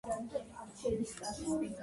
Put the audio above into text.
დედა რომ გარდაიცვალა თეატრში აღარ თამაშობდა.